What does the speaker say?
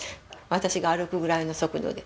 私が歩くぐらいの速度で。